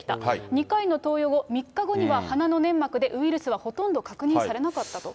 ２回の投与後、３日後には鼻の粘膜でウイルスはほとんど確認されなかったと。